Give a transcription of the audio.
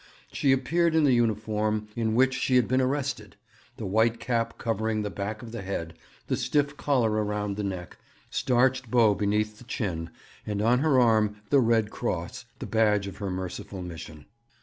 She appeared in the uniform in which she had been arrested: the white cap covering the back of the head; the stiff collar around the neck; starched bow beneath the chin; and on her arm the Red Cross, the badge of her merciful mission.